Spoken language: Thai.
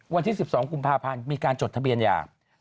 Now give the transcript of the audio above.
วันที่๑๒กุมภาพันธ์มีการจดทะเบียนอย่าง